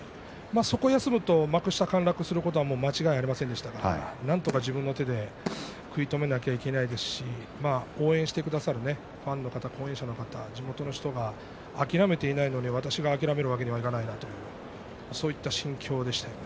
そのあと幕下に陥落することは間違いありませんでしたからなんとか自分の手で食い止めなければいけませんし応援してくださるファンの方応援者の方、地元の方が諦めていないのに私が諦めるわけにはいかないなというそういう心境でした。